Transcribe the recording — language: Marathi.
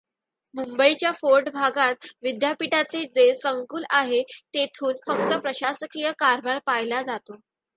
मुंबईच्याच फोर्ट भागात विद्यापीठाचे जे संकुल आहे तेथून फक्त प्रशासकीय कारभार पाहिला जातो.